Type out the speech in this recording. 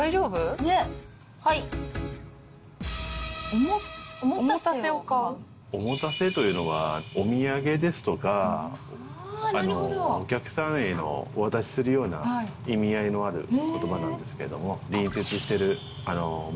おもたせというのはお土産ですとかお客さんへのお渡しするような意味合いのある言葉なんですけれども。